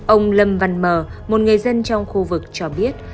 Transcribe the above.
ông lâm văn mờ một người dân trong khu vực cho biết